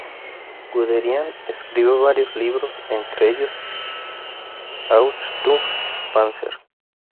Guderian escribió varios libros, entre ellos "Achtung-Panzer!